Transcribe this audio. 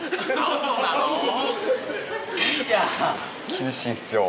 厳しいんすよ。